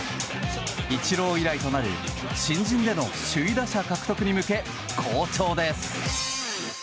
イチロー以来となる、新人での首位打者獲得に向け、好調です。